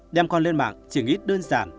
đem con lên mạng chỉ nghĩ đơn giản